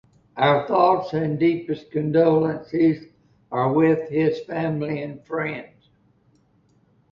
Our thoughts and deepest condolences are with his family and friends.